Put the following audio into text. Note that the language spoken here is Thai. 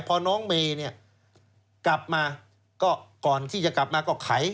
พอน้องเมย์เนี่ยกลับมาก็ก่อนที่จะกลับมาก็ไข